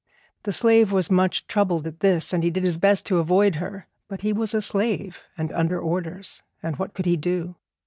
The slave was much troubled at this, and he did his best to avoid her; but he was a slave and under orders, and what could he do?